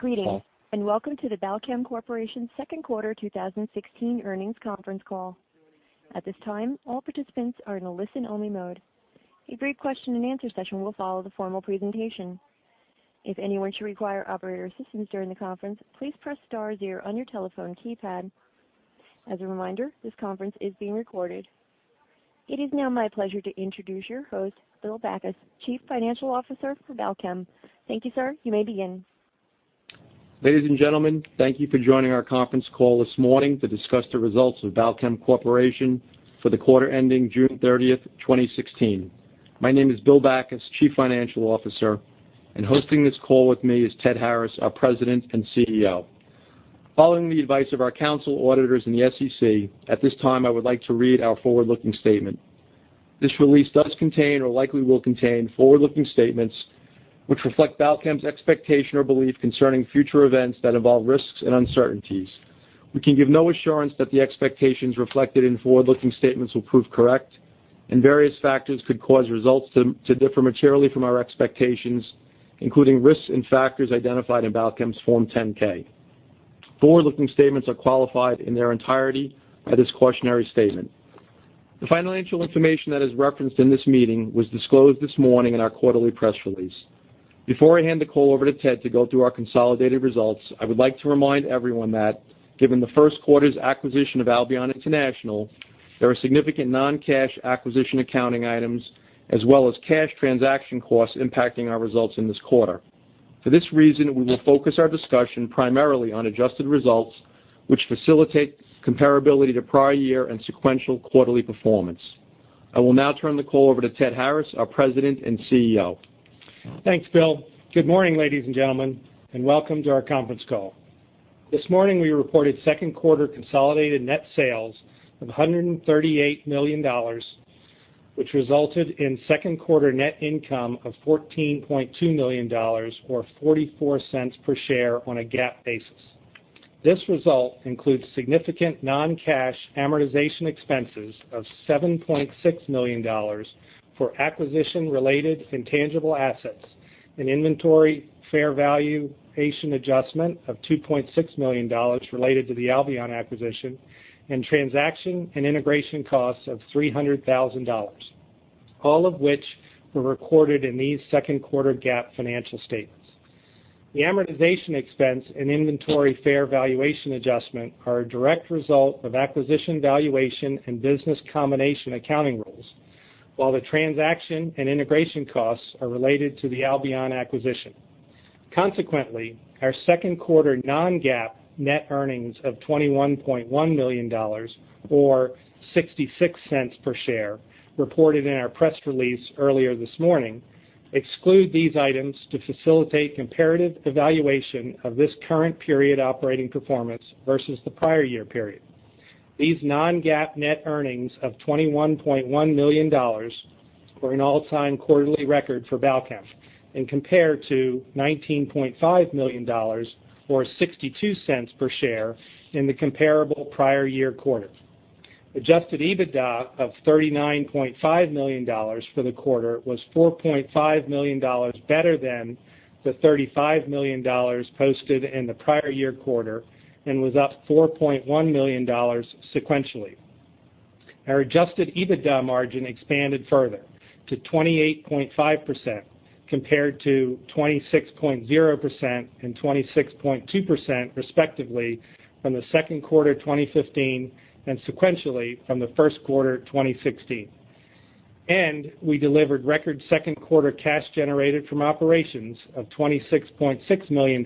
Greetings, and welcome to the Balchem Corporation second quarter 2016 earnings conference call. At this time, all participants are in a listen-only mode. A brief question and answer session will follow the formal presentation. If anyone should require operator assistance during the conference, please press star zero on your telephone keypad. As a reminder, this conference is being recorded. It is now my pleasure to introduce your host, Bill Backus, Chief Financial Officer for Balchem. Thank you, sir. You may begin. Ladies and gentlemen, thank you for joining our conference call this morning to discuss the results of Balchem Corporation for the quarter ending June 30th, 2016. My name is Bill Backus, Chief Financial Officer, and hosting this call with me is Ted Harris, our President and CEO. Following the advice of our council auditors and the SEC, at this time, I would like to read our forward-looking statement. This release does contain or likely will contain forward-looking statements, which reflect Balchem's expectation or belief concerning future events that involve risks and uncertainties. We can give no assurance that the expectations reflected in forward-looking statements will prove correct, and various factors could cause results to differ materially from our expectations, including risks and factors identified in Balchem's Form 10-K. Forward-looking statements are qualified in their entirety by this cautionary statement. The financial information that is referenced in this meeting was disclosed this morning in our quarterly press release. Before I hand the call over to Ted to go through our consolidated results, I would like to remind everyone that given the first quarter's acquisition of Albion International, there are significant non-cash acquisition accounting items as well as cash transaction costs impacting our results in this quarter. For this reason, we will focus our discussion primarily on adjusted results, which facilitate comparability to prior year and sequential quarterly performance. I will now turn the call over to Ted Harris, our President and CEO. Thanks, Bill. Good morning, ladies and gentlemen, and welcome to our conference call. This morning, we reported second quarter consolidated net sales of $138 million, which resulted in second quarter net income of $14.2 million, or $0.44 per share on a GAAP basis. This result includes significant non-cash amortization expenses of $7.6 million for acquisition-related intangible assets, an inventory fair valuation adjustment of $2.6 million related to the Albion acquisition, and transaction and integration costs of $300,000, all of which were recorded in these second quarter GAAP financial statements. The amortization expense and inventory fair valuation adjustment are a direct result of acquisition valuation and business combination accounting rules, while the transaction and integration costs are related to the Albion acquisition. Consequently, our second quarter non-GAAP net earnings of $21.1 million or $0.66 per share, reported in our press release earlier this morning, exclude these items to facilitate comparative evaluation of this current period operating performance versus the prior year period. These non-GAAP net earnings of $21.1 million were an all-time quarterly record for Balchem and compare to $19.5 million or $0.62 per share in the comparable prior year quarter. Adjusted EBITDA of $39.5 million for the quarter was $4.5 million better than the $35 million posted in the prior year quarter and was up $4.1 million sequentially. Our adjusted EBITDA margin expanded further to 28.5% compared to 26.0% and 26.2% respectively from the second quarter 2015 and sequentially from the first quarter 2016. We delivered record second quarter cash generated from operations of $26.6 million,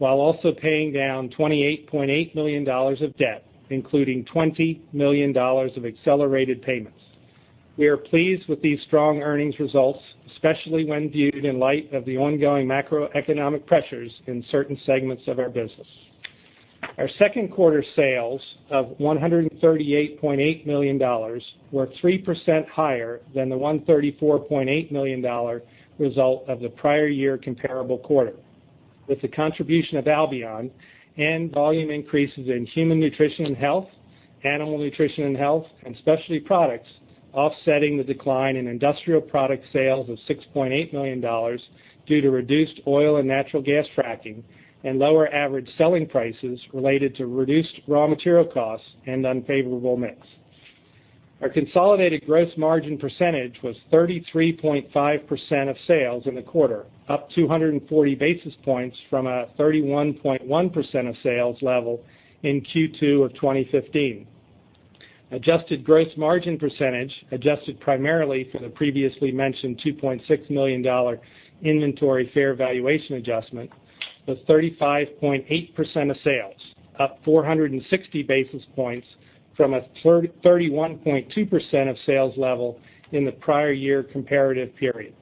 while also paying down $28.8 million of debt, including $20 million of accelerated payments. We are pleased with these strong earnings results, especially when viewed in light of the ongoing macroeconomic pressures in certain segments of our business. Our second quarter sales of $138.8 million were 3% higher than the $134.8 million result of the prior year comparable quarter. With the contribution of Albion and volume increases in Human Nutrition and Health, Animal Nutrition and Health, and Specialty Products offsetting the decline in Industrial Products sales of $6.8 million due to reduced oil and natural gas fracking and lower average selling prices related to reduced raw material costs and unfavorable mix. Our consolidated gross margin percentage was 33.5% of sales in the quarter, up 240 basis points from a 31.1% of sales level in Q2 of 2015. Adjusted gross margin percentage, adjusted primarily for the previously mentioned $2.6 million inventory fair valuation adjustment, was 35.8% of sales, up 460 basis points from a 31.2% of sales level in the prior year comparative period.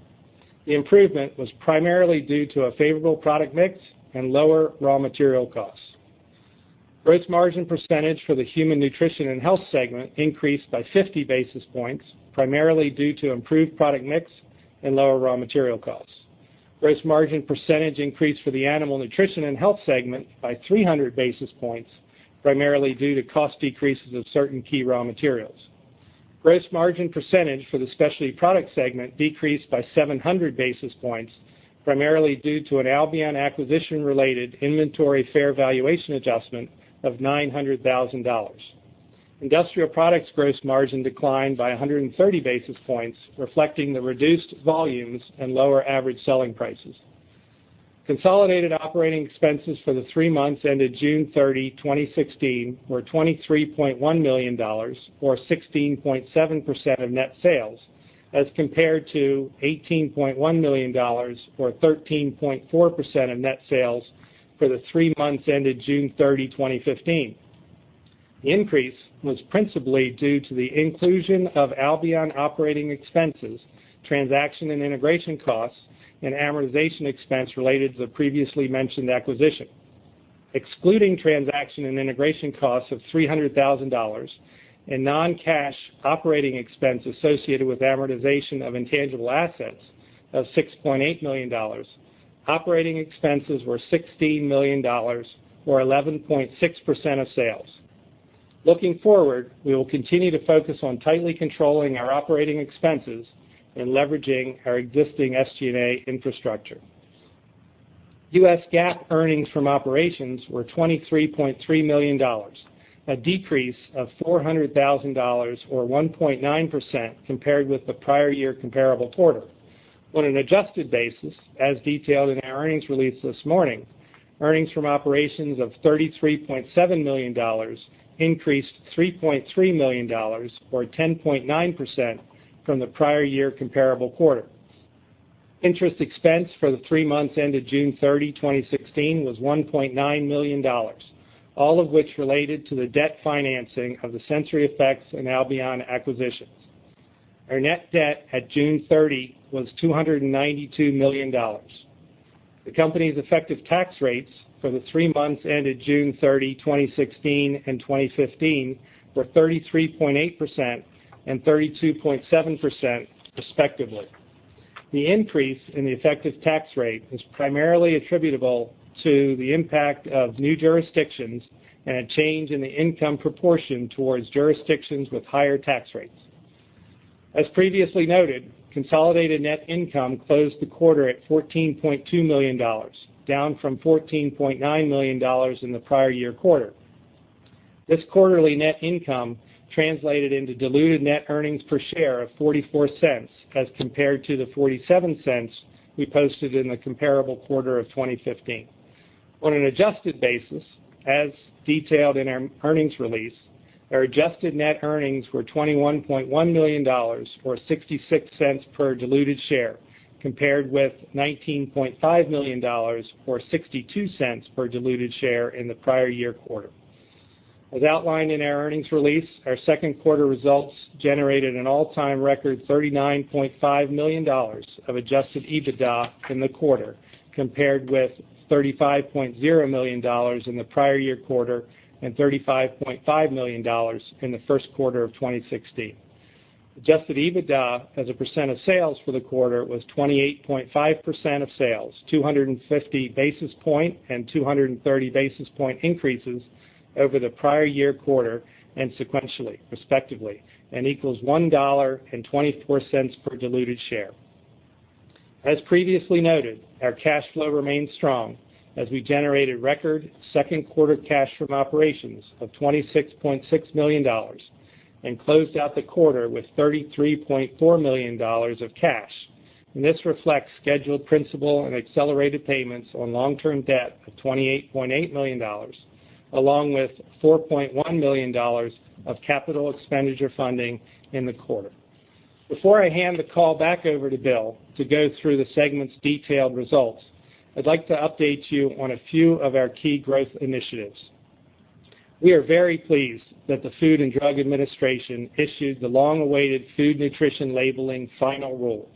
The improvement was primarily due to a favorable product mix and lower raw material costs. Gross margin percentage for the Human Nutrition and Health segment increased by 50 basis points, primarily due to improved product mix and lower raw material costs. Gross margin percentage increased for the Animal Nutrition and Health segment by 300 basis points, primarily due to cost decreases of certain key raw materials. Gross margin percentage for the Specialty Products segment decreased by 700 basis points, primarily due to an Albion acquisition-related inventory fair valuation adjustment of $900,000. Industrial Products gross margin declined by 130 basis points, reflecting the reduced volumes and lower average selling prices. Consolidated operating expenses for the three months ended June 30, 2016, were $23.1 million, or 16.7% of net sales, as compared to $18.1 million, or 13.4% of net sales for the three months ended June 30, 2015. The increase was principally due to the inclusion of Albion operating expenses, transaction and integration costs, and amortization expense related to the previously mentioned acquisition. Excluding transaction and integration costs of $300,000 and non-cash operating expense associated with amortization of intangible assets of $6.8 million, operating expenses were $16 million, or 11.6% of sales. Looking forward, we will continue to focus on tightly controlling our operating expenses and leveraging our existing SG&A infrastructure. U.S. GAAP earnings from operations were $23.3 million, a decrease of $400,000, or 1.9% compared with the prior year comparable quarter. On an adjusted basis, as detailed in our earnings release this morning, earnings from operations of $33.7 million increased $3.3 million, or 10.9%, from the prior year comparable quarter. Interest expense for the three months ended June 30, 2016, was $1.9 million, all of which related to the debt financing of the SensoryEffects and Albion acquisitions. Our net debt at June 30 was $292 million. The company's effective tax rates for the three months ended June 30, 2016, and 2015, were 33.8% and 32.7%, respectively. The increase in the effective tax rate is primarily attributable to the impact of new jurisdictions and a change in the income proportion towards jurisdictions with higher tax rates. As previously noted, consolidated net income closed the quarter at $14.2 million, down from $14.9 million in the prior year quarter. This quarterly net income translated into diluted net earnings per share of $0.44, as compared to the $0.47 we posted in the comparable quarter of 2015. On an adjusted basis, as detailed in our earnings release, our adjusted net earnings were $21.1 million or $0.66 per diluted share, compared with $19.5 million or $0.62 per diluted share in the prior year quarter. As outlined in our earnings release, our second quarter results generated an all-time record $39.5 million of adjusted EBITDA in the quarter, compared with $35.0 million in the prior year quarter and $35.5 million in the first quarter of 2016. Adjusted EBITDA as a percent of sales for the quarter was 28.5% of sales, 250 basis point and 230 basis point increases over the prior year quarter and sequentially, respectively, and equals $1.24 per diluted share. As previously noted, our cash flow remains strong as we generated record second quarter cash from operations of $26.6 million and closed out the quarter with $33.4 million of cash. This reflects scheduled principal and accelerated payments on long-term debt of $28.8 million, along with $4.1 million of capital expenditure funding in the quarter. Before I hand the call back over to Bill to go through the segment's detailed results, I'd like to update you on a few of our key growth initiatives. We are very pleased that the Food and Drug Administration issued the long-awaited food nutrition labeling final rule.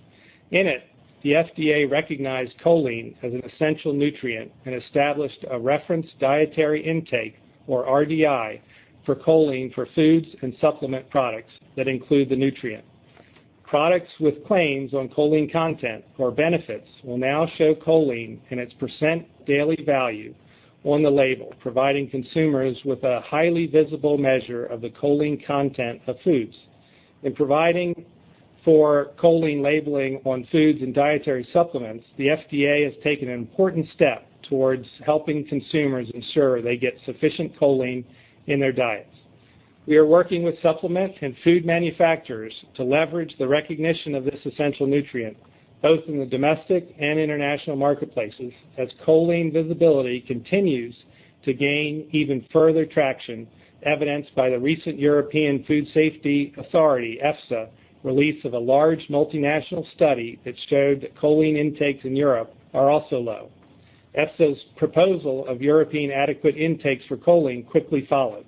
In it, the FDA recognized choline as an essential nutrient and established a reference dietary intake, or RDI, for choline for foods and supplement products that include the nutrient. Products with claims on choline content or benefits will now show choline and its % daily value on the label, providing consumers with a highly visible measure of the choline content of foods. In providing for choline labeling on foods and dietary supplements, the FDA has taken an important step towards helping consumers ensure they get sufficient choline in their diets. We are working with supplement and food manufacturers to leverage the recognition of this essential nutrient, both in the domestic and international marketplaces, as choline visibility continues to gain even further traction, evidenced by the recent European Food Safety Authority, EFSA, release of a large multinational study that showed that choline intakes in Europe are also low. EFSA's proposal of European adequate intakes for choline quickly followed.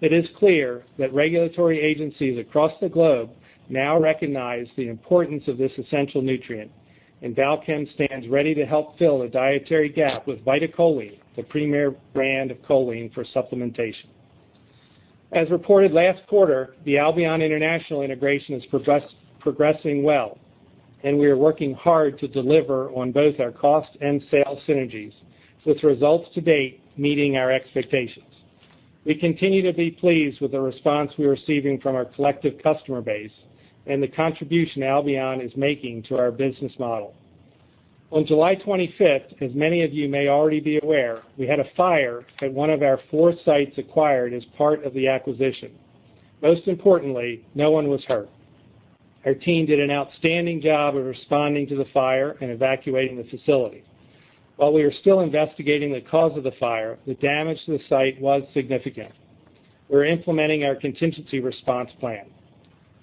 It is clear that regulatory agencies across the globe now recognize the importance of this essential nutrient, and Balchem stands ready to help fill a dietary gap with VitaCholine, the premier brand of choline for supplementation. As reported last quarter, the Albion International integration is progressing well. We are working hard to deliver on both our cost and sales synergies, with results to date meeting our expectations. We continue to be pleased with the response we're receiving from our collective customer base and the contribution Albion is making to our business model. On July 25th, as many of you may already be aware, we had a fire at one of our four sites acquired as part of the acquisition. Most importantly, no one was hurt. Our team did an outstanding job of responding to the fire and evacuating the facility. While we are still investigating the cause of the fire, the damage to the site was significant. We're implementing our contingency response plan.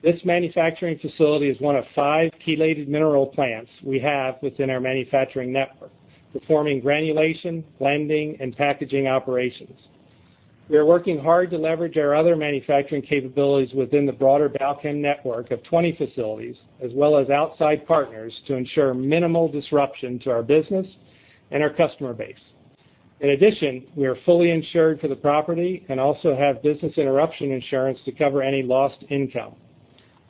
This manufacturing facility is one of five chelated mineral plants we have within our manufacturing network, performing granulation, blending, and packaging operations. We are working hard to leverage our other manufacturing capabilities within the broader Balchem network of 20 facilities, as well as outside partners, to ensure minimal disruption to our business and our customer base. In addition, we are fully insured for the property and also have business interruption insurance to cover any lost income.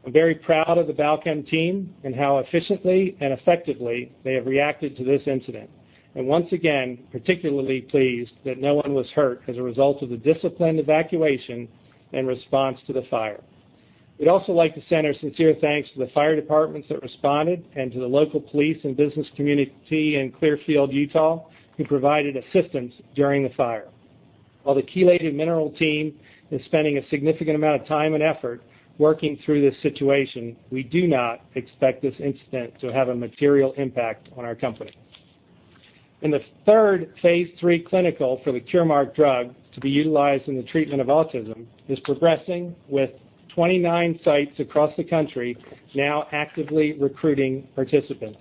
I'm very proud of the Balchem team and how efficiently and effectively they have reacted to this incident. Once again, particularly pleased that no one was hurt as a result of the disciplined evacuation and response to the fire. We'd also like to send our sincere thanks to the fire departments that responded and to the local police and business community in Clearfield, Utah, who provided assistance during the fire. While the chelated mineral team is spending a significant amount of time and effort working through this situation, we do not expect this incident to have a material impact on our company. The third phase III clinical for the Curemark drug to be utilized in the treatment of autism is progressing with 29 sites across the country now actively recruiting participants.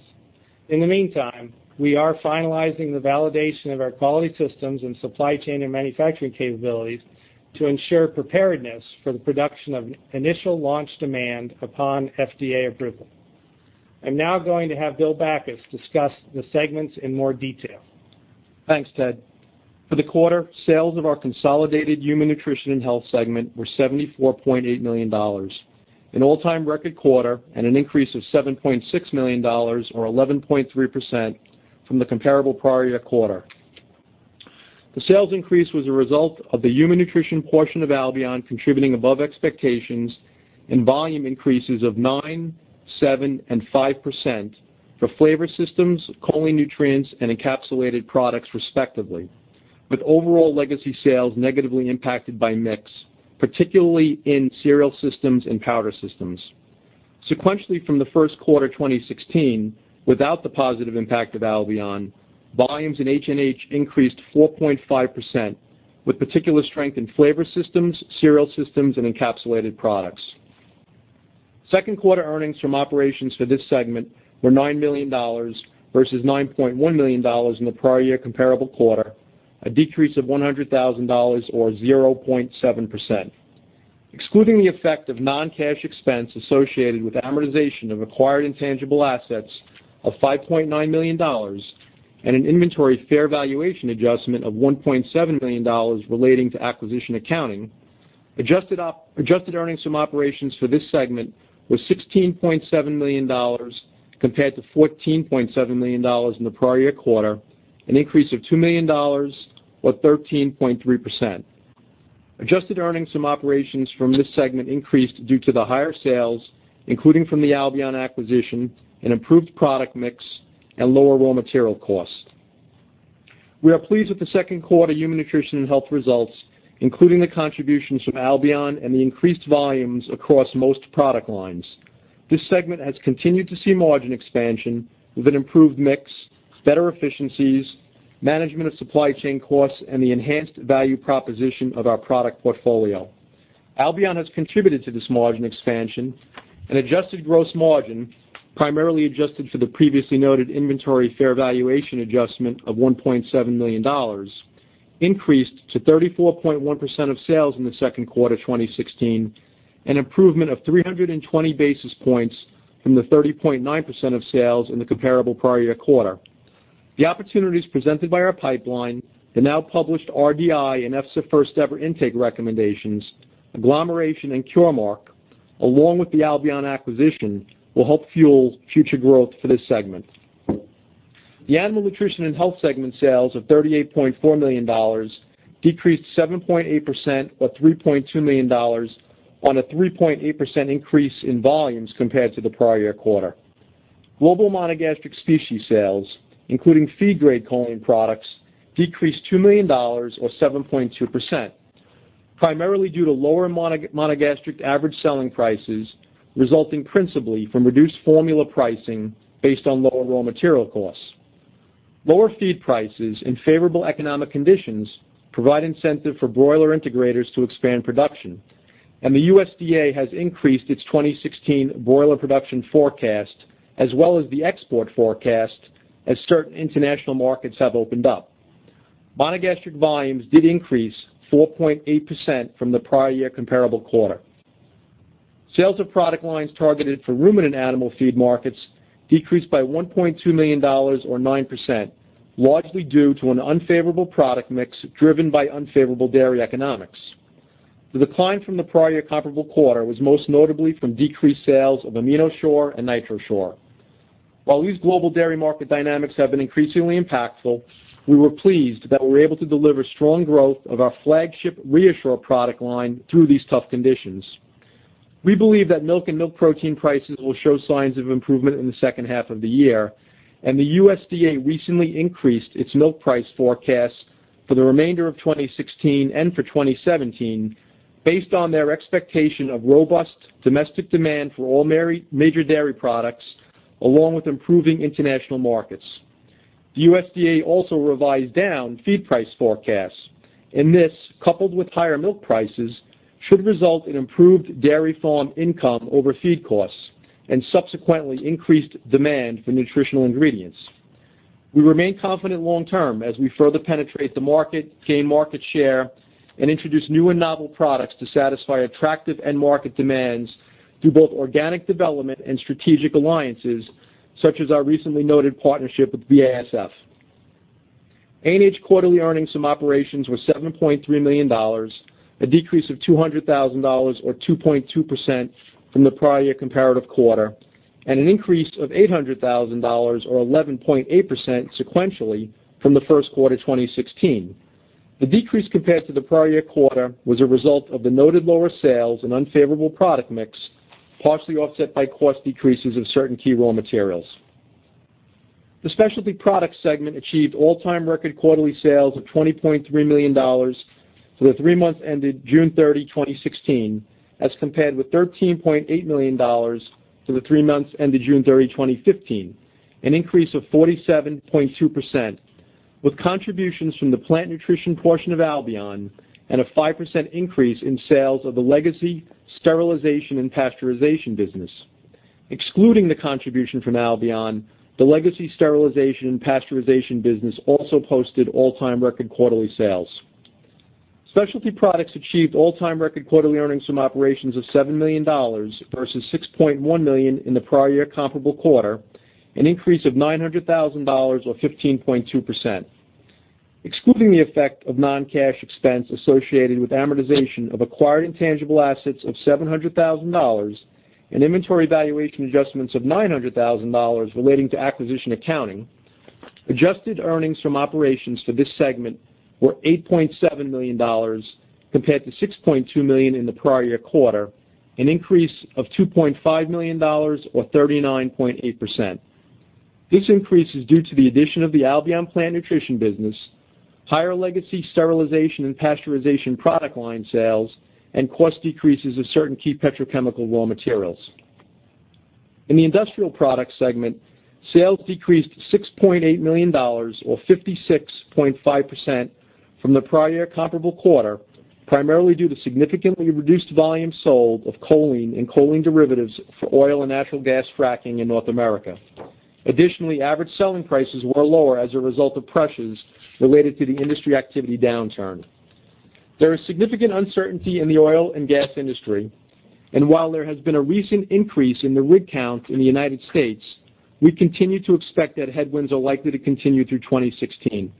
In the meantime, we are finalizing the validation of our quality systems and supply chain and manufacturing capabilities to ensure preparedness for the production of initial launch demand upon FDA approval. I'm now going to have Bill Backus discuss the segments in more detail. Thanks, Ted. For the quarter, sales of our consolidated Human Nutrition and Health segment were $74.8 million, an all-time record quarter, and an increase of $7.6 million, or 11.3%, from the comparable prior year quarter. The sales increase was a result of the human nutrition portion of Albion contributing above expectations and volume increases of 9%, 7%, and 5% for flavor systems, choline nutrients, and encapsulated products respectively, with overall legacy sales negatively impacted by mix, particularly in cereal systems and powder systems. Sequentially from the first quarter 2016, without the positive impact of Albion, volumes in HNH increased 4.5%, with particular strength in flavor systems, cereal systems, and encapsulated products. Second quarter earnings from operations for this segment were $9 million versus $9.1 million in the prior year comparable quarter, a decrease of $100,000, or 0.7%. Excluding the effect of non-cash expense associated with amortization of acquired intangible assets of $5.9 million and an inventory fair valuation adjustment of $1.7 million relating to acquisition accounting, adjusted earnings from operations for this segment was $16.7 million compared to $14.7 million in the prior year quarter, an increase of $2 million, or 13.3%. Adjusted earnings from operations from this segment increased due to the higher sales, including from the Albion acquisition, an improved product mix, and lower raw material cost. We are pleased with the second quarter Human Nutrition and Health results, including the contributions from Albion and the increased volumes across most product lines. This segment has continued to see margin expansion with an improved mix, better efficiencies, management of supply chain costs, and the enhanced value proposition of our product portfolio. Albion has contributed to this margin expansion, and adjusted gross margin, primarily adjusted for the previously noted inventory fair valuation adjustment of $1.7 million, increased to 34.1% of sales in the second quarter 2016, an improvement of 320 basis points from the 30.9% of sales in the comparable prior year quarter. The opportunities presented by our pipeline, the now published RDI and EFSA first ever intake recommendations, agglomeration and Curemark, along with the Albion acquisition, will help fuel future growth for this segment. The Animal Nutrition and Health segment sales of $38.4 million decreased 7.8%, or $3.2 million, on a 3.8% increase in volumes compared to the prior year quarter. Global monogastric species sales, including feed grade choline products, decreased $2 million or 7.2%, primarily due to lower monogastric average selling prices, resulting principally from reduced formula pricing based on lower raw material costs. Lower feed prices and favorable economic conditions provide incentive for broiler integrators to expand production, and the USDA has increased its 2016 broiler production forecast as well as the export forecast as certain international markets have opened up. Monogastric volumes did increase 4.8% from the prior year comparable quarter. Sales of product lines targeted for ruminant animal feed markets decreased by $1.2 million or 9%, largely due to an unfavorable product mix driven by unfavorable dairy economics. The decline from the prior comparable quarter was most notably from decreased sales of AminoShure and NitroShure. While these global dairy market dynamics have been increasingly impactful, we were pleased that we were able to deliver strong growth of our flagship ReaShure product line through these tough conditions. We believe that milk and milk protein prices will show signs of improvement in the second half of the year, and the USDA recently increased its milk price forecast for the remainder of 2016 and for 2017 based on their expectation of robust domestic demand for all major dairy products, along with improving international markets. The USDA also revised down feed price forecasts, and this, coupled with higher milk prices, should result in improved dairy farm income over feed costs, and subsequently increased demand for nutritional ingredients. We remain confident long term as we further penetrate the market, gain market share, and introduce new and novel products to satisfy attractive end market demands through both organic development and strategic alliances, such as our recently noted partnership with BASF. A&H quarterly earnings from operations were $7.3 million, a decrease of $200,000, or 2.2%, from the prior year comparative quarter, and an increase of $800,000, or 11.8%, sequentially from the first quarter 2016. The decrease compared to the prior year quarter was a result of the noted lower sales and unfavorable product mix, partially offset by cost decreases of certain key raw materials. The Specialty Products segment achieved all-time record quarterly sales of $20.3 million for the three months ended June 30, 2016, as compared with $13.8 million for the three months ended June 30, 2015, an increase of 47.2%, with contributions from the Plant Nutrition portion of Albion and a 5% increase in sales of the legacy sterilization and pasteurization business. Excluding the contribution from Albion, the legacy sterilization and pasteurization business also posted all-time record quarterly sales. Specialty Products achieved all-time record quarterly earnings from operations of $7 million versus $6.1 million in the prior year comparable quarter, an increase of $900,000, or 15.2%. Excluding the effect of non-cash expense associated with amortization of acquired intangible assets of $700,000, and inventory valuation adjustments of $900,000 relating to acquisition accounting, adjusted earnings from operations for this segment were $8.7 million, compared to $6.2 million in the prior year quarter, an increase of $2.5 million, or 39.8%. This increase is due to the addition of the Albion Plant Nutrition business, higher legacy sterilization and pasteurization product line sales, and cost decreases of certain key petrochemical raw materials. In the Industrial Products segment, sales decreased to $6.8 million, or 56.5%, from the prior year comparable quarter, primarily due to significantly reduced volume sold of choline and choline derivatives for oil and natural gas fracking in North America. Additionally, average selling prices were lower as a result of pressures related to the industry activity downturn. There is significant uncertainty in the oil and gas industry, and while there has been a recent increase in the rig count in the U.S., we continue to expect that headwinds are likely to continue through 2016.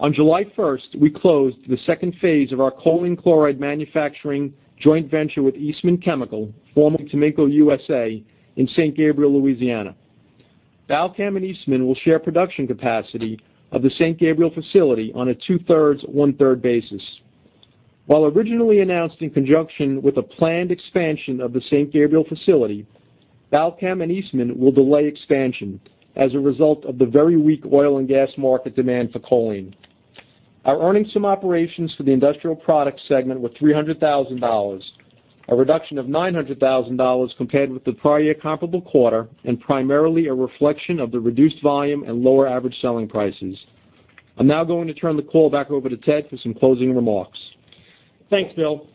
On July 1st, we closed the second phase of our choline chloride manufacturing joint venture with Eastman Chemical, formerly Taminco USA, in St. Gabriel, Louisiana. Balchem and Eastman will share production capacity of the St. Gabriel facility on a two-thirds, one-third basis. While originally announced in conjunction with a planned expansion of the St. Gabriel facility, Balchem and Eastman will delay expansion as a result of the very weak oil and gas market demand for choline. Our earnings from operations for the Industrial Products segment were $300,000, a reduction of $900,000 compared with the prior year comparable quarter, and primarily a reflection of the reduced volume and lower average selling prices. I'm now going to turn the call back over to Ted for some closing remarks. Thanks, Bill.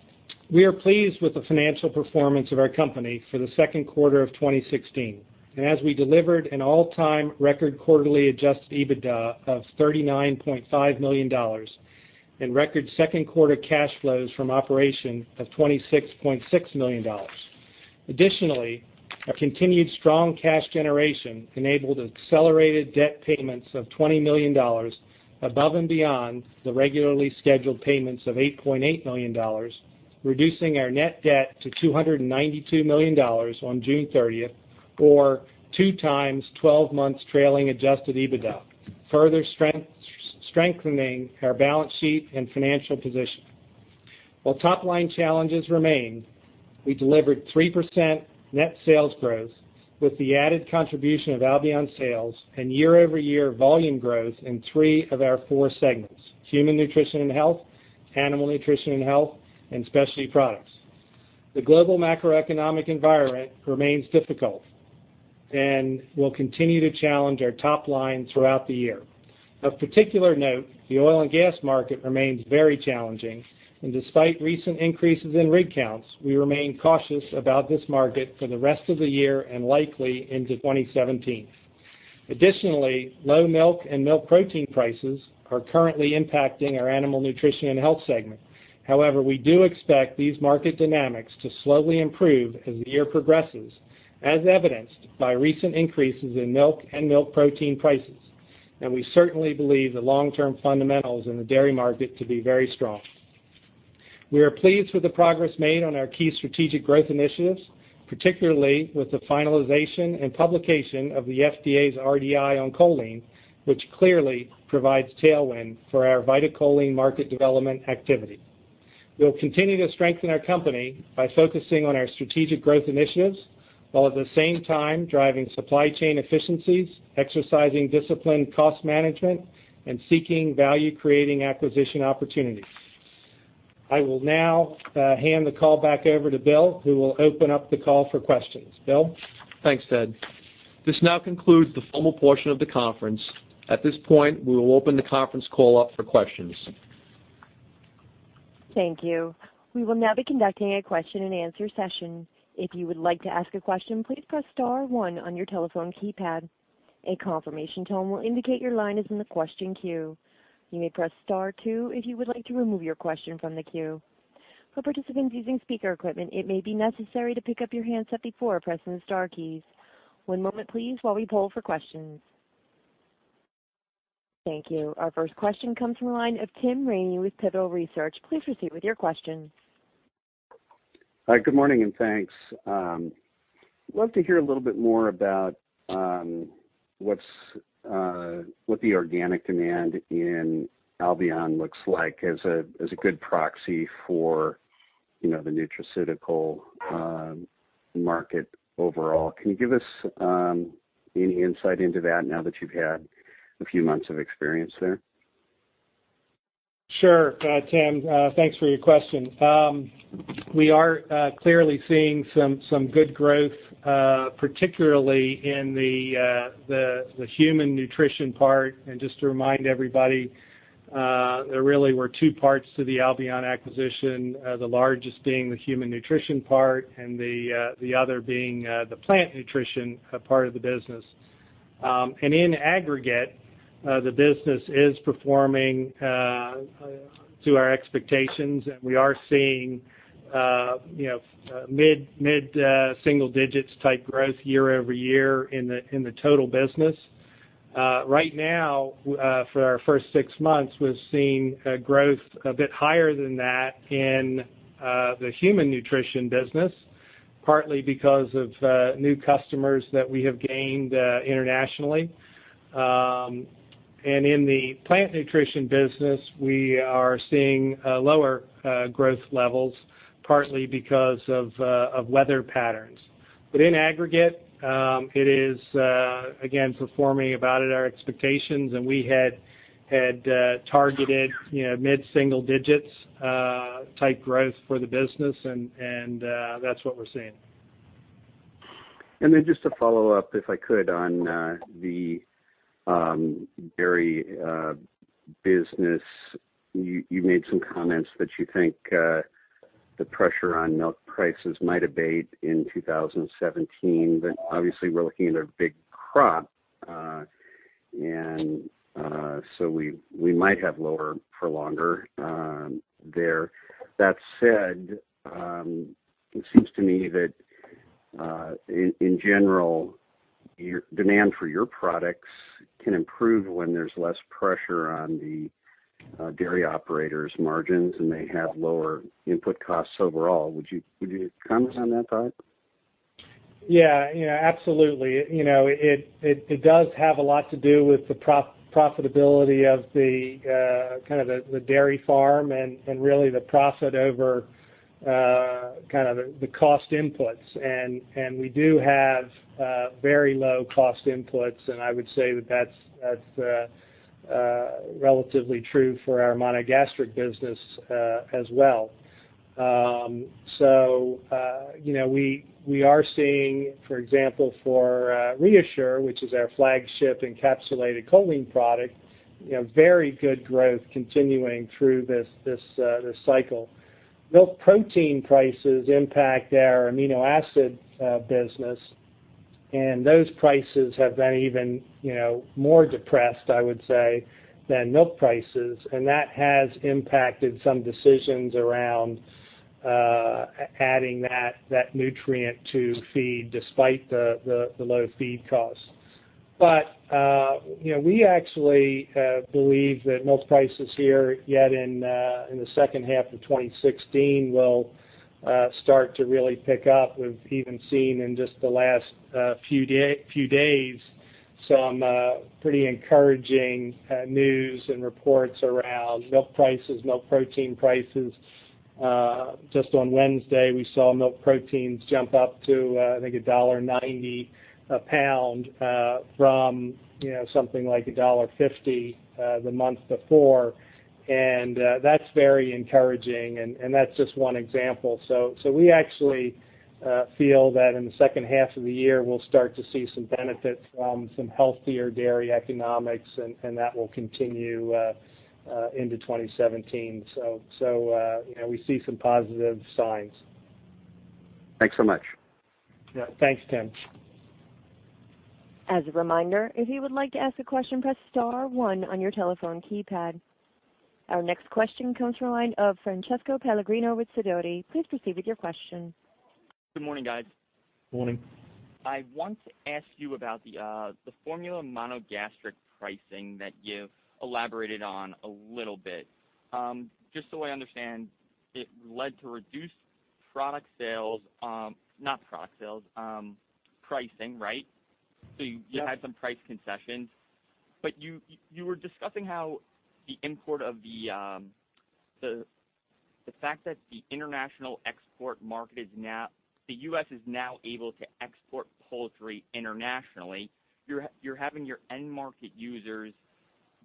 We are pleased with the financial performance of our company for the second quarter of 2016, as we delivered an all-time record quarterly adjusted EBITDA of $39.5 million and record second quarter cash flows from operation of $26.6 million. Additionally, our continued strong cash generation enabled accelerated debt payments of $20 million above and beyond the regularly scheduled payments of $8.8 million, reducing our net debt to $292 million on June 30th, or two times 12 months trailing adjusted EBITDA, further strengthening our balance sheet and financial position. While top-line challenges remain, we delivered 3% net sales growth with the added contribution of Albion sales and year-over-year volume growth in three of our four segments, Human Nutrition and Health, Animal Nutrition and Health, and Specialty Products. The global macroeconomic environment remains difficult and will continue to challenge our top line throughout the year. Of particular note, the oil and gas market remains very challenging, and despite recent increases in rig counts, we remain cautious about this market for the rest of the year and likely into 2017. Additionally, low milk and milk protein prices are currently impacting our Animal Nutrition and Health segment. However, we do expect these market dynamics to slowly improve as the year progresses, as evidenced by recent increases in milk and milk protein prices. We certainly believe the long-term fundamentals in the dairy market to be very strong. We are pleased with the progress made on our key strategic growth initiatives, particularly with the finalization and publication of the FDA's RDI on choline, which clearly provides tailwind for our VitaCholine market development activity. We'll continue to strengthen our company by focusing on our strategic growth initiatives, while at the same time driving supply chain efficiencies, exercising disciplined cost management, and seeking value-creating acquisition opportunities. I will now hand the call back over to Bill, who will open up the call for questions. Bill? Thanks, Ted. This now concludes the formal portion of the conference. At this point, we will open the conference call up for questions. Thank you. We will now be conducting a question and answer session. If you would like to ask a question, please press star one on your telephone keypad. A confirmation tone will indicate your line is in the question queue. You may press star two if you would like to remove your question from the queue. For participants using speaker equipment, it may be necessary to pick up your handset before pressing the star keys. One moment please while we poll for questions. Thank you. Our first question comes from the line of Tim Ramey with Pivotal Research Group. Please proceed with your question. Hi, good morning and thanks. Love to hear a little bit more about what the organic demand in Albion looks like as a good proxy for the nutraceutical market overall. Can you give us any insight into that now that you've had a few months of experience there? Sure, Tim. Thanks for your question. We are clearly seeing some good growth, particularly in the Human Nutrition part. Just to remind everybody, there really were two parts to the Albion acquisition, the largest being the Human Nutrition part and the other being the Plant Nutrition part of the business. In aggregate, the business is performing to our expectations, and we are seeing mid-single digits type growth year-over-year in the total business. Right now, for our first six months, we've seen growth a bit higher than that in the Human Nutrition business, partly because of new customers that we have gained internationally. In the Plant Nutrition business, we are seeing lower growth levels, partly because of weather patterns. In aggregate, it is, again, performing about at our expectations, and we had targeted mid-single digits type growth for the business, and that's what we're seeing. Just to follow up, if I could, on the dairy business. You made some comments that you think the pressure on milk prices might abate in 2017, but obviously, we're looking at a big crop. So we might have lower for longer there. That said, it seems to me that in general, demand for your products can improve when there's less pressure on the dairy operators' margins, and they have lower input costs overall. Would you comment on that, Ted? Absolutely. It does have a lot to do with the profitability of the dairy farm and really the profit over the cost inputs. We do have very low cost inputs, and I would say that's relatively true for our monogastric business as well. We are seeing, for example, for ReaShure, which is our flagship encapsulated choline product, very good growth continuing through this cycle. Milk protein prices impact our amino acid business, and those prices have been even more depressed, I would say, than milk prices. We actually believe that milk prices here yet in the second half of 2016 will start to really pick up. We've even seen in just the last few days some pretty encouraging news and reports around milk prices, milk protein prices. Just on Wednesday, we saw milk proteins jump up to, I think $1.90 a pound from something like $1.50 the month before. That's very encouraging, and that's just one example. We actually feel that in the second half of the year, we'll start to see some benefit from some healthier dairy economics, and that will continue into 2017. We see some positive signs. Thanks so much. Thanks, Tim. As a reminder, if you would like to ask a question, press star one on your telephone keypad. Our next question comes from the line of Francesco Pellegrino with Sidoti. Please proceed with your question. Good morning, guys. Morning. I want to ask you about the formula monogastric pricing that you elaborated on a little bit. Just so I understand, it led to reduced pricing, right? Yes. You had some price concessions. You were discussing how the fact that the U.S. is now able to export poultry internationally, you're having your end-market users,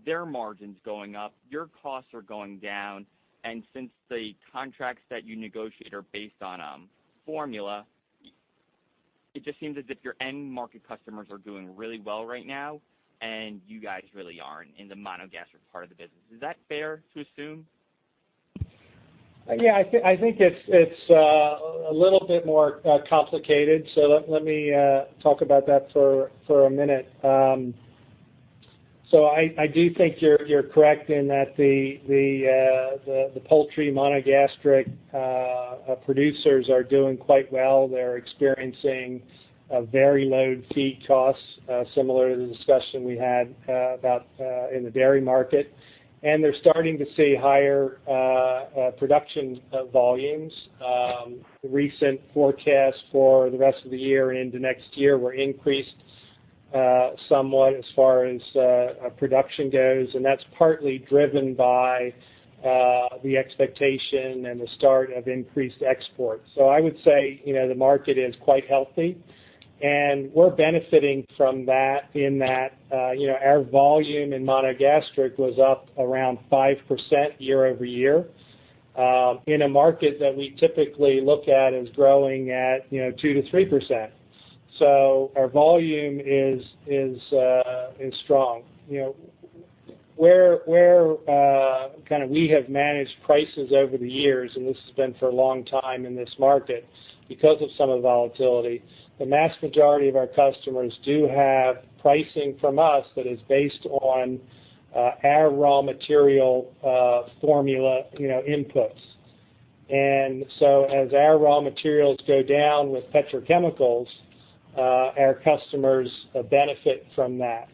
their margins going up, your costs are going down, and since the contracts that you negotiate are based on formula, it just seems as if your end-market customers are doing really well right now, and you guys really aren't in the monogastric part of the business. Is that fair to assume? I think it's a little bit more complicated. Let me talk about that for a minute. I do think you're correct in that the poultry monogastric producers are doing quite well. They're experiencing very low feed costs, similar to the discussion we had about in the dairy market. They're starting to see higher production volumes. Recent forecasts for the rest of the year into next year were increased somewhat as far as production goes. That's partly driven by the expectation and the start of increased exports. I would say the market is quite healthy, and we're benefiting from that in that our volume in monogastric was up around 5% year-over-year, in a market that we typically look at as growing at 2%-3%. Our volume is strong. Where we have managed prices over the years, and this has been for a long time in this market, because of some of the volatility, the mass majority of our customers do have pricing from us that is based on our raw material formula inputs. As our raw materials go down with petrochemicals, our customers benefit from that.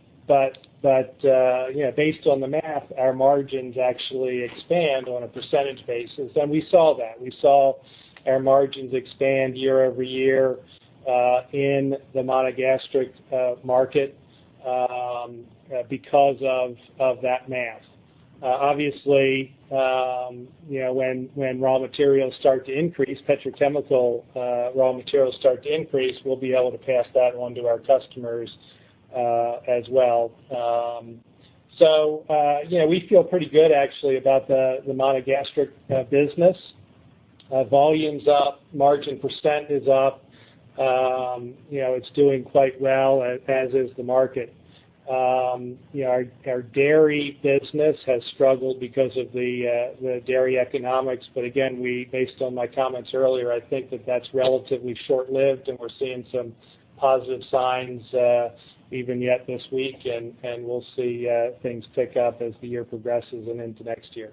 Based on the math, our margins actually expand on a percentage basis. We saw that. We saw our margins expand year-over-year, in the monogastric market because of that math. Obviously when raw materials start to increase, petrochemical raw materials start to increase, we'll be able to pass that on to our customers as well. We feel pretty good actually about the monogastric business. Volume's up, margin percent is up. It's doing quite well as is the market. Our dairy business has struggled because of the dairy economics, again, based on my comments earlier, I think that that's relatively short-lived, and we're seeing some positive signs even yet this week and we'll see things tick up as the year progresses and into next year.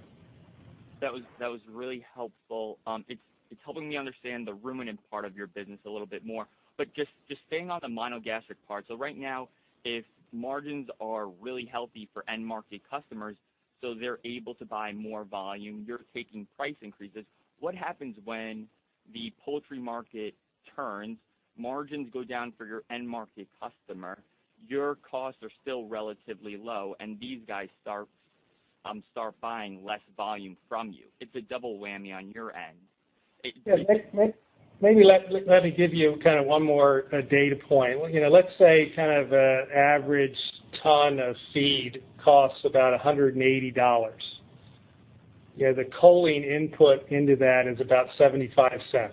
That was really helpful. It's helping me understand the ruminant part of your business a little bit more. Just staying on the monogastric part. Right now, if margins are really healthy for end-market customers, so they're able to buy more volume, you're taking price increases. What happens when the poultry market turns, margins go down for your end-market customer, your costs are still relatively low, and these guys start buying less volume from you? It's a double whammy on your end. Yeah. Maybe let me give you one more data point. Let's say an average ton of feed costs about $180. The choline input into that is about $0.75.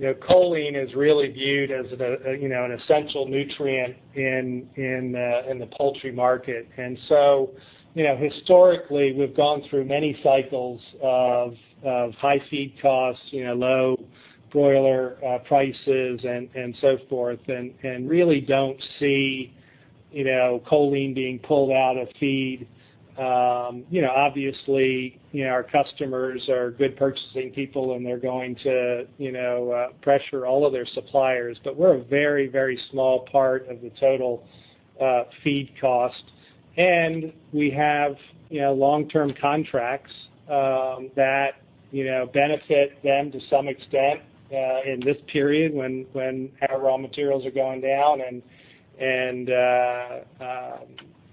Choline is really viewed as an essential nutrient in the poultry market. Historically, we've gone through many cycles of high feed costs, low broiler prices, and so forth, and really don't see choline being pulled out of feed. Obviously, our customers are good purchasing people, and they're going to pressure all of their suppliers. We're a very small part of the total feed cost. We have long-term contracts that benefit them to some extent in this period when our raw materials are going down and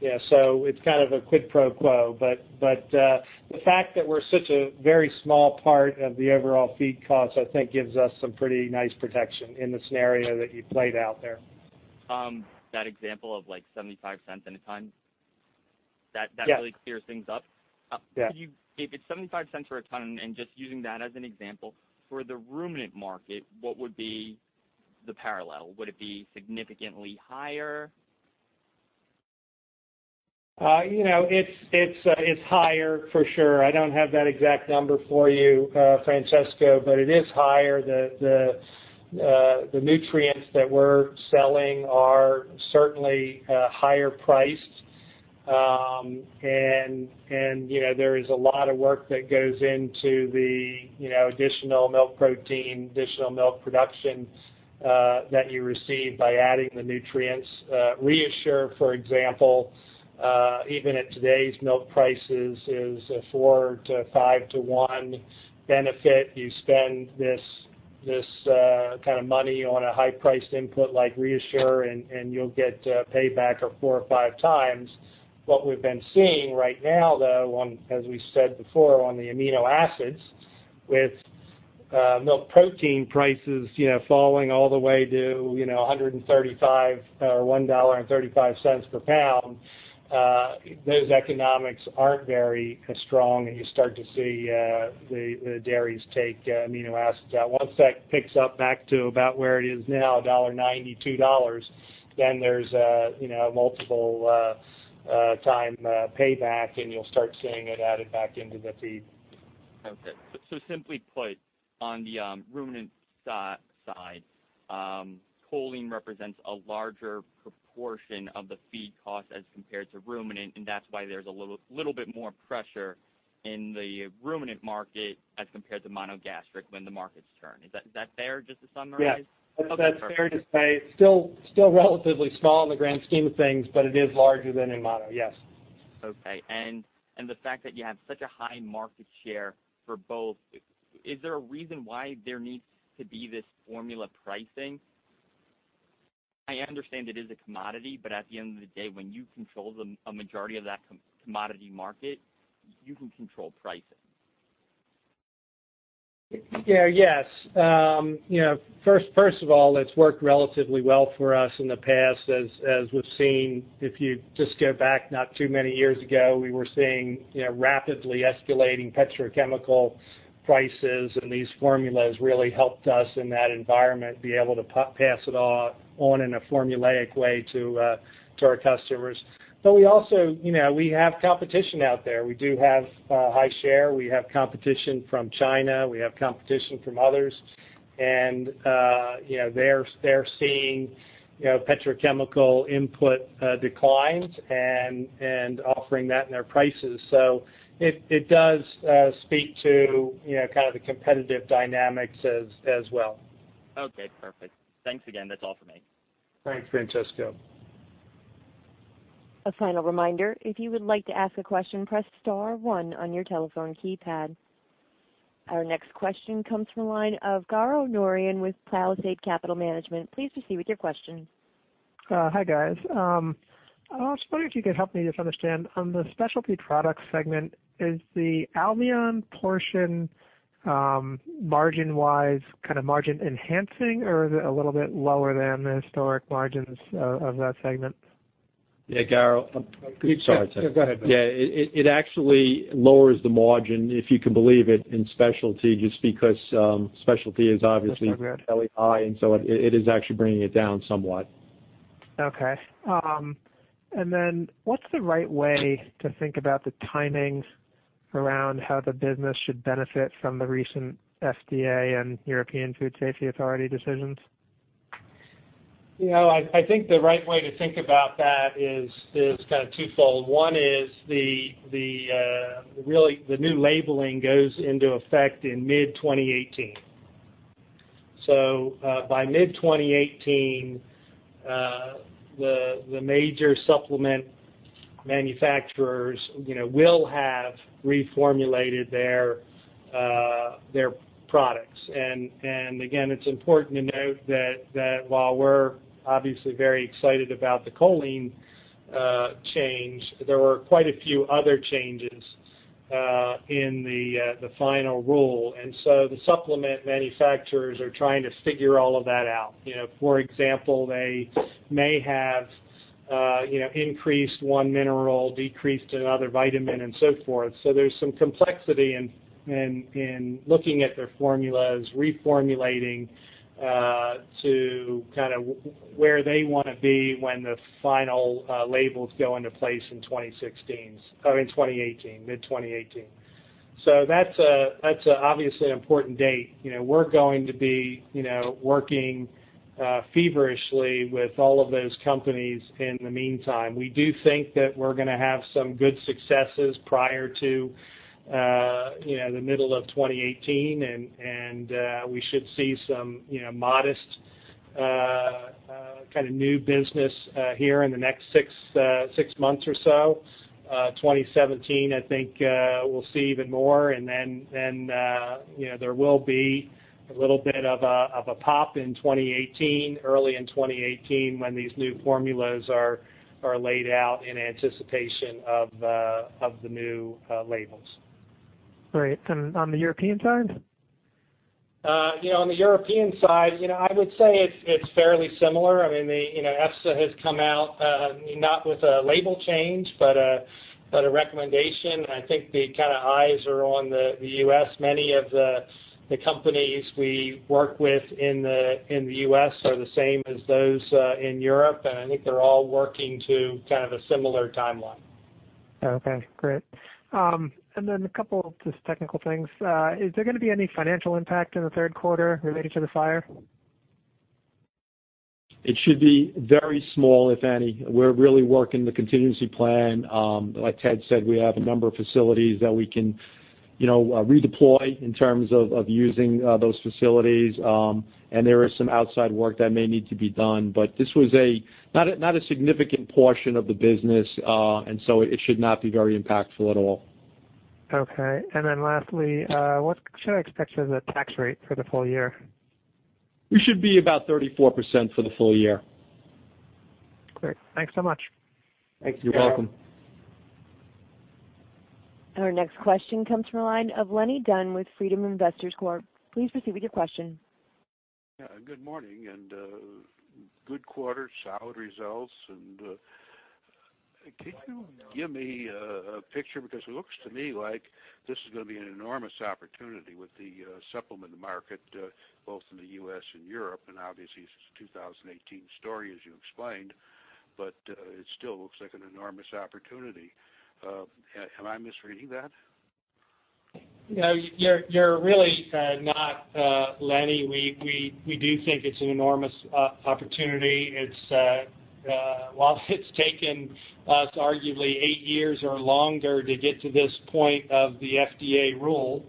it's kind of a quid pro quo. The fact that we're such a very small part of the overall feed cost, I think gives us some pretty nice protection in the scenario that you played out there. That example of $0.75 in a ton, that really clears things up. Yeah. If it's $0.75 for a ton and just using that as an example, for the ruminant market, what would be the parallel? Would it be significantly higher? It's higher for sure. I don't have that exact number for you, Francesco, but it is higher. There is a lot of work that goes into the additional milk protein, additional milk production that you receive by adding the nutrients. ReaShure, for example, even at today's milk prices, is a four to five to one benefit. You spend this kind of money on a high-priced input like ReaShure, and you'll get payback of four or five times. What we've been seeing right now, though, as we said before on the amino acids with milk protein prices falling all the way to $1.35 per pound, those economics aren't very strong, and you start to see the dairies take amino acids out. Once that picks up back to about where it is now, $1.90, $2, there's multiple time payback, and you'll start seeing it added back into the feed. Okay. Simply put, on the ruminant side, choline represents a larger proportion of the feed cost as compared to monogatric, and that's why there's a little bit more pressure in the ruminant market as compared to monogastric when the markets turn. Is that fair just to summarize? Yes. That's fair to say. Still relatively small in the grand scheme of things, but it is larger than in mono. Yes. Okay. The fact that you have such a high market share for both, is there a reason why there needs to be this formula pricing? I understand it is a commodity, but at the end of the day, when you control a majority of that commodity market, you can control pricing. Yes. First of all, it's worked relatively well for us in the past as we've seen. If you just go back not too many years ago, we were seeing rapidly escalating petrochemical prices, and these formulas really helped us in that environment, be able to pass it on in a formulaic way to our customers. We also have competition out there. We do have a high share. We have competition from China, we have competition from others, and they're seeing petrochemical input declines and offering that in their prices. It does speak to kind of the competitive dynamics as well. Okay, perfect. Thanks again. That's all for me. Thanks, Francesco. A final reminder, if you would like to ask a question, press star one on your telephone keypad. Our next question comes from the line of Garo Norian with Palisade Capital Management. Please proceed with your question. Hi, guys. I was wondering if you could help me just understand, on the Specialty Products segment, is the Albion portion, margin-wise, kind of margin enhancing, or is it a little bit lower than the historic margins of that segment? Yeah, Garo. Sorry. Go ahead, Matt. Yeah. It actually lowers the margin, if you can believe it, in Specialty, just because Specialty is obviously fairly high, it is actually bringing it down somewhat. Okay. What's the right way to think about the timings around how the business should benefit from the recent FDA and European Food Safety Authority decisions? I think the right way to think about that is kind of twofold. One is the new labeling goes into effect in mid 2018. By mid 2018, the major supplement manufacturers will have reformulated their products. Again, it's important to note that while we're obviously very excited about the choline change, there were quite a few other changes in the final rule. The supplement manufacturers are trying to figure all of that out. For example, they may have increased one mineral, decreased another vitamin, and so forth. There's some complexity in looking at their formulas, reformulating to where they want to be when the final labels go into place in mid 2018. That's obviously an important date. We're going to be working feverishly with all of those companies in the meantime. We do think that we're going to have some good successes prior to the middle of 2018, we should see some modest kind of new business here in the next six months or so. 2017, I think, we'll see even more. There will be a little bit of a pop in 2018, early in 2018, when these new formulas are laid out in anticipation of the new labels. Great. On the European side? On the European side, I would say it's fairly similar. EFSA has come out, not with a label change, but a recommendation. I think the kind of eyes are on the U.S. Many of the companies we work with in the U.S. are the same as those in Europe, and I think they're all working to kind of a similar timeline. Okay, great. A couple of just technical things. Is there going to be any financial impact in the third quarter related to the fire? It should be very small, if any. We're really working the contingency plan. Like Ted said, we have a number of facilities that we can redeploy in terms of using those facilities. There is some outside work that may need to be done, but this was not a significant portion of the business. It should not be very impactful at all. Okay. Lastly, what should I expect as a tax rate for the full year? We should be about 34% for the full year. Great. Thanks so much. Thanks, Garo. You're welcome. Our next question comes from the line of Lenny Dunn with Freedom Investors Corp. Please proceed with your question. Yeah, good morning and good quarter, solid results. Can you give me a picture? It looks to me like this is going to be an enormous opportunity with the supplement market, both in the U.S. and Europe, it's a 2018 story, as you explained, but it still looks like an enormous opportunity. Am I misreading that? No, you're really not, Lenny. We do think it's an enormous opportunity. While it's taken us arguably eight years or longer to get to this point of the FDA rule,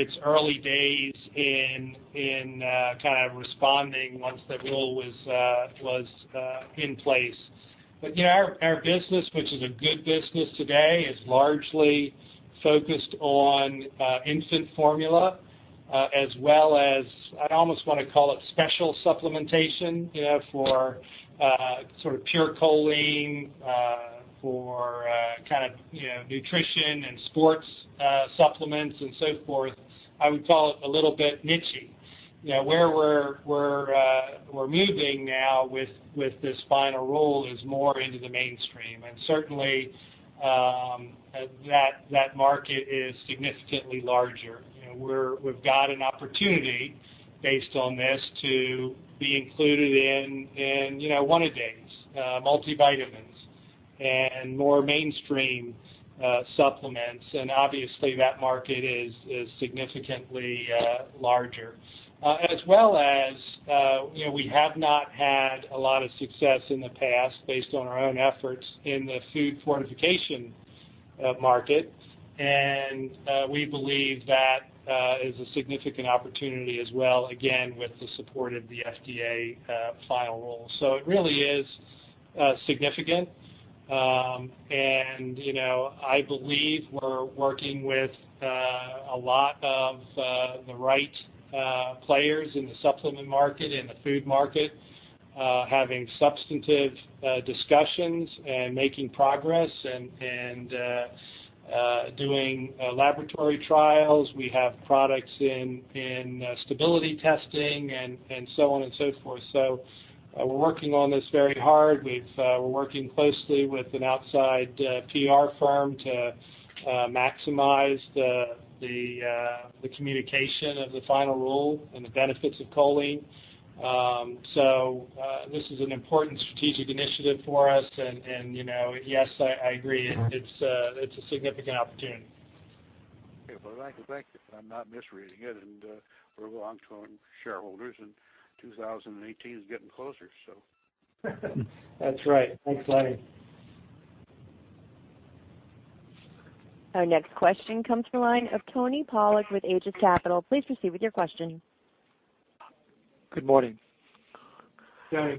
it's early days in responding once the rule was in place. Our business, which is a good business today, is largely focused on infant formula, as well as, I almost want to call it special supplementation, for pure choline, for nutrition and sports supplements and so forth. I would call it a little bit niche-y. Where we're moving now with this final rule is more into the mainstream. Certainly, that market is significantly larger. We've got an opportunity based on this to be included in one-a-days, multivitamins, and more mainstream supplements. Obviously that market is significantly larger. We have not had a lot of success in the past based on our own efforts in the food fortification market. We believe that is a significant opportunity as well, again, with the support of the FDA final rule. It really is significant. I believe we're working with a lot of the right players in the supplement market and the food market, having substantive discussions and making progress and doing laboratory trials. We have products in stability testing and so on and so forth. We're working on this very hard. We're working closely with an outside PR firm to maximize the communication of the final rule and the benefits of choline. This is an important strategic initiative for us. Yes, I agree. It's a significant opportunity. Okay. Well, thank you. I'm not misreading it, and we're long-term shareholders, and 2018 is getting closer, so. That's right. Thanks, Lenny. Our next question comes from the line of Tony Polak with Aegis Capital. Please proceed with your question. Good morning. Good morning. Is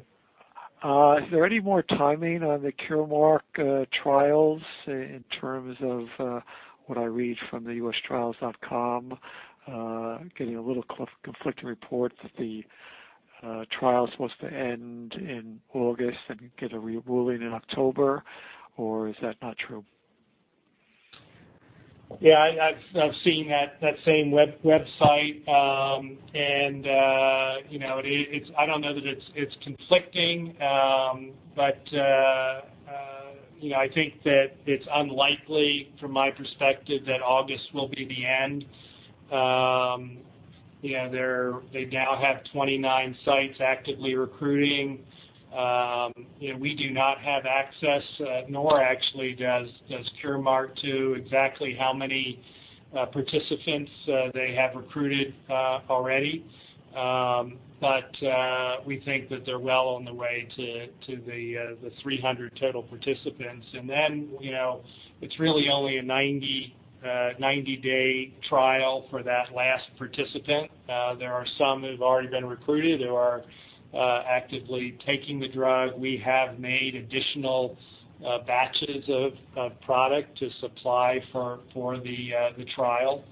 there any more timing on the Curemark trials in terms of what I read from the clinicaltrials.gov? Getting a little conflicting report that the trial's supposed to end in August and get a ruling in October, or is that not true? Yeah, I don't know that it's conflicting, but I think that it's unlikely from my perspective that August will be the end. They now have 29 sites actively recruiting. We do not have access, nor actually does Curemark, to exactly how many participants they have recruited already. We think that they're well on the way to the 300 total participants. It's really only a 90-day trial for that last participant. There are some who've already been recruited, who are actively taking the drug. We have made additional batches of product to supply for the trial.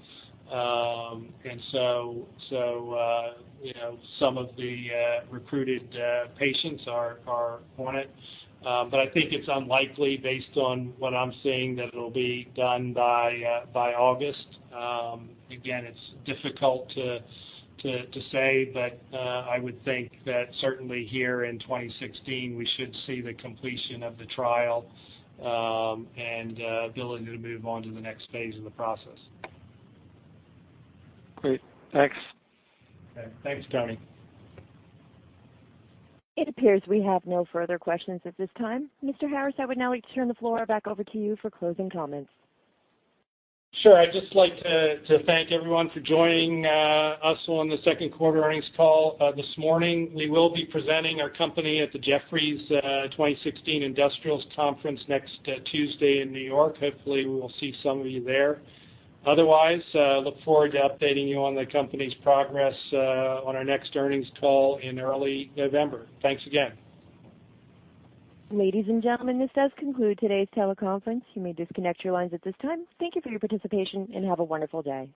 Some of the recruited patients are on it. I think it's unlikely based on what I'm seeing that it'll be done by August. Again, it's difficult to say, but, I would think that certainly here in 2016, we should see the completion of the trial, and be able to move on to the next phase of the process. Great. Thanks. Okay. Thanks, Tony. It appears we have no further questions at this time. Mr. Harris, I would now like to turn the floor back over to you for closing comments. Sure. I'd just like to thank everyone for joining us on the second quarter earnings call this morning. We will be presenting our company at the Jefferies 2016 Industrials Conference next Tuesday in New York. Hopefully, we will see some of you there. Otherwise, look forward to updating you on the company's progress, on our next earnings call in early November. Thanks again. Ladies and gentlemen, this does conclude today's teleconference. You may disconnect your lines at this time. Thank you for your participation, and have a wonderful day.